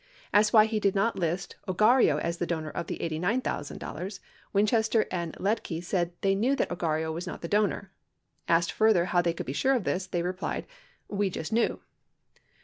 Asked why he did not list Ogarrio as the donor of the $89,000, Winchester and Liedtke said they knew that Ogarrio was not the donor. Asked further how they could be sure of this, they replied, "We just kneAv."